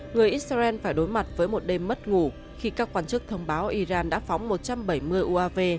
người israel phải đối mặt với một đêm mất ngủ khi các quan chức thông báo iran đã phóng một trăm bảy mươi uav